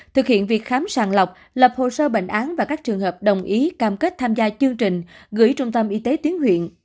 thực hiện việc khám sàng lọc lập hồ sơ bệnh án và các trường hợp đồng ý cam kết tham gia chương trình